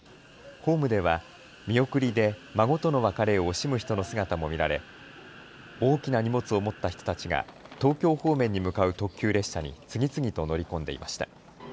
ホームでは見送りで孫との別れを惜しむ人の姿も見られ大きな荷物を持った人たちが東京方面に向かう特急列車に次々と乗り込んでいました。